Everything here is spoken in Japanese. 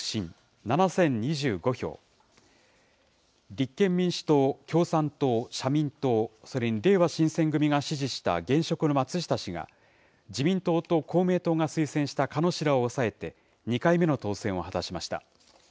立憲民主党、共産党、社民党、それにれいわ新選組が支持した現職の松下氏が、自民党と公明党が推薦した鹿野氏らを抑えて、２回目の当選を果たしました。